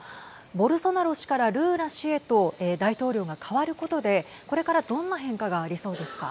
ボルソナロ氏からルーラ氏へと大統領が代わることでこれからどんな変化がありそうですか。